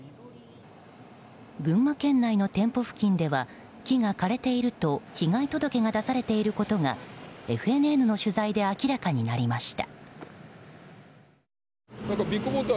群馬県内の店舗付近では木が枯れていると被害届が出されていることがＦＮＮの取材で明らかになりました。